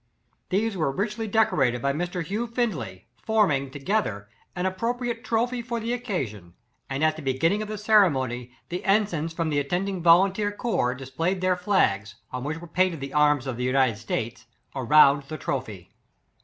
These were richly decorated by Mr. Hugh Findley, forming, together, an ap propriate TROPHY for the occasion; and, at the beginning of the ceremony, the en signs from the attending volunteer corps displayed their flags, on which were paint ed the arms of the United States around the trophy.